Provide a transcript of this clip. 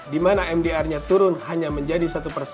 dimana mdrnya turun hanya menjadi satu